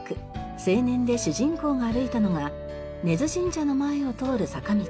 『青年』で主人公が歩いたのが根津神社の前を通る坂道。